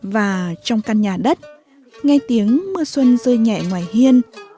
và trong căn nhà đất ngay tiếng mưa xuân rơi nhẹ ngoài hiên